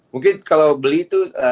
mungkin kalau beli tuh